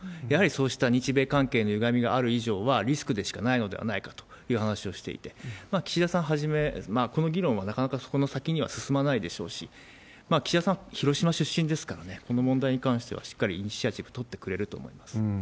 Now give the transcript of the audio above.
やはりそうした日米関係のある以上は、リスクでしかないのでないかという話をしていて、岸田さんはじめ、この議論はなかなかそこの先には進まないでしょうし、岸田さんは広島出身ですから、この問題に関してはしっかりイニシアチブ取ってくれると思います。